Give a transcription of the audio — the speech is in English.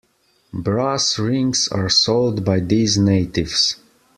Brass rings are sold by these natives.